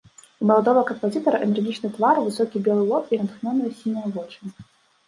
У маладога кампазітара энергічны твар, высокі белы лоб і натхнёныя сінія вочы.